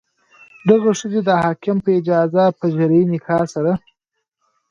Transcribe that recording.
دغې ښځې د حاکم په اجازه په شرعي نکاح سره.